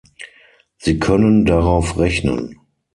Sie können darauf rechnen.